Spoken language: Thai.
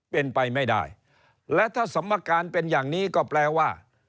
เป็นไปไม่ได้และถ้าสมการเป็นอย่างนี้ก็แปลว่า